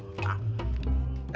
eh eh tika